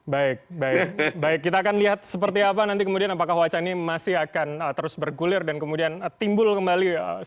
baik baik kita akan lihat seperti apa nanti kemudian apakah wacana ini masih akan terus bergulir dan kemudian timbul kembali